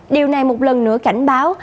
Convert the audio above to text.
điều này một lần nữa cảnh báo